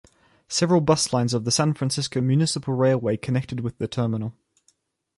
Several bus lines of the San Francisco Municipal Railway connected with the terminal.